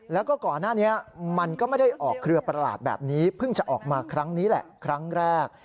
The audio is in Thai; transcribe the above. แล้วก็ก่อนหน้านี้มันก็ไม่ได้ออกเครือประหลาดแบบนี้เพิ่งจะออกมาครั้งนี้แหละครั้งแรก